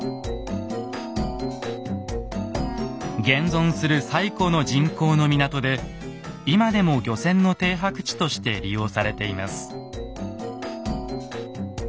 現存する最古の人工の港で今でも漁船の停泊地として利用されています。